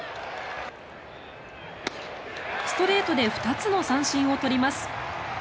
ストレートで２つの三振を取ります。